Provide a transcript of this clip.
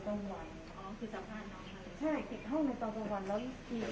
กังหวัยอ๋อคือจะพาน้องค่ะใช่ติดห้องในตอนกังหวัยแล้ว